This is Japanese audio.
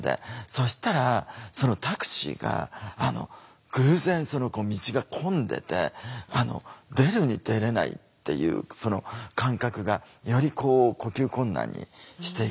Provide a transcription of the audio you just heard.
そしたらそのタクシーが偶然道が混んでて出るに出れないっていうその感覚がよりこう呼吸困難にしていくわけですよね。